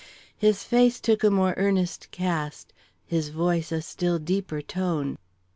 His face took a more earnest cast, his voice a still deeper tone.